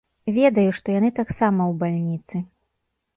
Ведаю, што яны таксама ў бальніцы.